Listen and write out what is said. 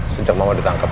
sejak mama ditangkap